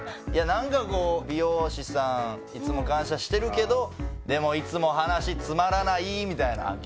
いやなんかこう美容師さんいつも感謝してるけどでもいつも話つまらないみたいな。